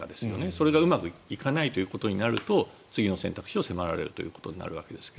それがうまくいかないということになると次の選択肢を迫られることになるわけですが。